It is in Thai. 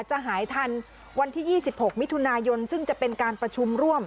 จะหายทันวันที่๒๖มิถุนายนซึ่งจะเป็นการประชุมร่วม